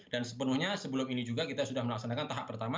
dan sepenuhnya sebelum ini juga kita sudah melaksanakan tahap pertama